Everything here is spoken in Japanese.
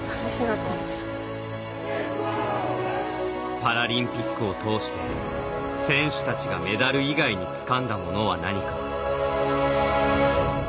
パラリンピックを通して選手たちがメダル以外につかんだものは何か。